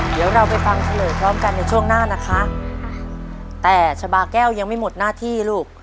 เดี๋ยวเราไปฟังเฉลยพร้อมกันในช่วงหน้านะคะแต่ชะบาแก้วยังไม่หมดหน้าที่ลูก